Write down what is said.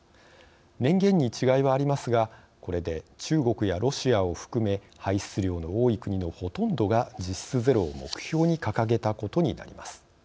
年限に違いはありますがこれで中国やロシアを含め排出量の多い国のほとんどが実質ゼロを目標に掲げたことになります。